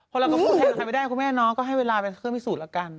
คนเราก็พูดแทนไม่ได้ครับคุณแม่น้องก็ให้เวลาเป็นเครื่องพิสูจน์ละกัน